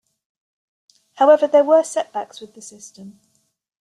However, there were setbacks with the system.